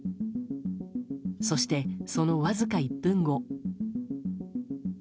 そして、そのわずか１分後。